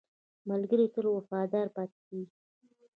ملګری تل وفادار پاتې کېږي